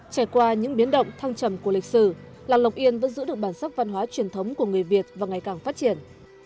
trải qua những biến động thăng trầm của lịch sử làng lộc yên vẫn giữ được bản sắc văn hóa truyền thống của người việt và ngày càng phát triển